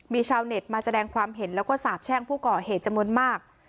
มีชาวเน็ตมาแสดงความเห็นแล้วก็สาบแช่งผู้ก่อเหตุจำนวนมาก